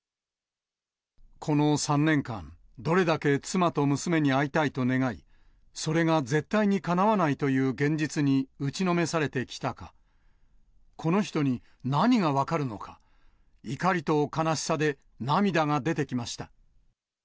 この３年間、どれだけ妻と娘に会いたいと願い、それが絶対にかなわないという現実に打ちのめされてきたか、この人に何が分かるのか、怒りと悲しさで涙が出てきました。